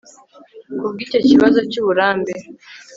kubwo icyo kibazo cy'uburambe